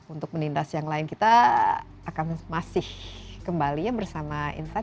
untuk menindas yang lain kita akan masih kembalinya bersama insight